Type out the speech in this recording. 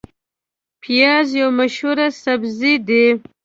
پیاز یو مشهور سبزی دی